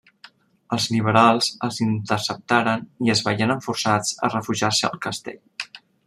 Els liberals els interceptaren i es veieren forçats a refugiar-se al castell.